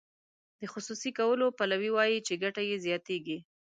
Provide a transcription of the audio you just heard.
د خصوصي کولو پلوي وایي چې ګټه یې زیاتیږي.